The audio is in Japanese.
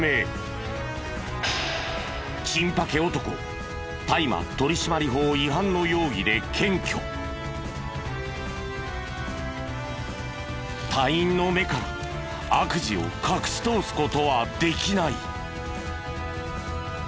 チンパケ男隊員の目から悪事を隠し通す事はできない。